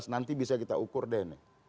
dua ribu lima belas nanti bisa kita ukur deh nih